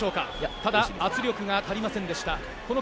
ただ、圧力が足りませんでした。